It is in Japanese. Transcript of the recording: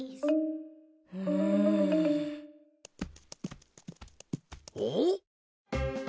うん。おっ。